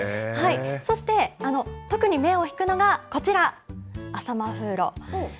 そして特に目を引くのがこちら、アサマフウロ。